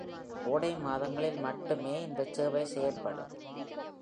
கோடை மாதங்களில் மட்டுமே இந்த சேவை செயல்படும்.